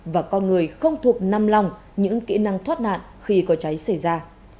và con người không thuộc năm lòng những kỹ năng thoát nạn khi có cháy xảy ra